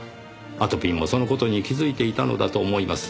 あとぴんもその事に気づいていたのだと思います。